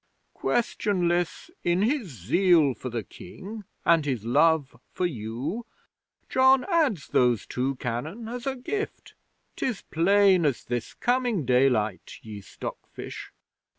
"Questionless, in his zeal for the King and his love for you, John adds those two cannon as a gift. 'Tis plain as this coming daylight, ye stockfish!"